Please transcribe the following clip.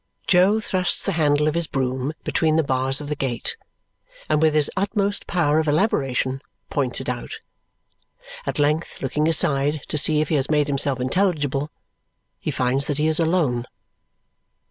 Jo thrusts the handle of his broom between the bars of the gate, and with his utmost power of elaboration, points it out. At length, looking aside to see if he has made himself intelligible, he finds that he is alone.